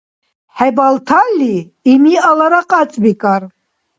ХӀебалталли, имиалара кьацӀбикӀар.